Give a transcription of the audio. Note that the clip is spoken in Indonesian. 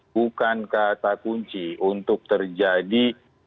bukan kata kunci untuk terjadi